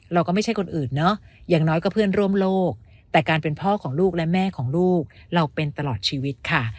เราก็ไม่ใช่คนอื่นเนาะอย่างน้อยก็เพื่อนร่วมโลกแต่การเป็นพ่อของลูกและแม่ของลูกเราเป็นตลอดชีวิตค่ะ